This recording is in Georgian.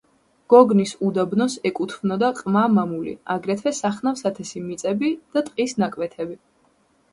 გოგნის უდაბნოს ეკუთვნოდა ყმა-მამული, აგრეთვე სახნავ-სათესი მიწები და ტყის ნაკვეთები.